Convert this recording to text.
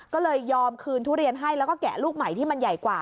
ก็เลยยอมคืนทุเรียนให้แล้วก็แกะลูกใหม่ที่มันใหญ่กว่า